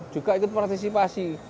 juga ikut partisipasi